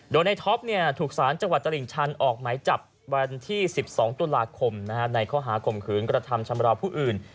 โดยในเนี่ยถูกศานจังหวัดตะหลิงชันออกใหม่จับวันที่สิบสองตุลาคมนะฮะในข้อหาคมคืนกระทำชำราวผู้อื่น